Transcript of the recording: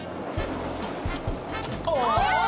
お！